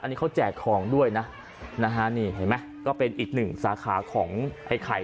อันนี้เขาแจกของด้วยนะนะฮะนี่เห็นไหมก็เป็นอีกหนึ่งสาขาของไอ้ไข่